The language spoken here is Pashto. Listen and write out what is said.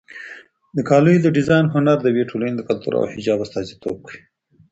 د کالیو د ډیزاین هنر د یوې ټولنې د کلتور او حجاب استازیتوب کوي.